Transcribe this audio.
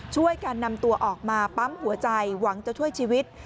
ช่วยกันนำตัวออกมาปั๊มหัวใจหวังจะช่วยชีวิต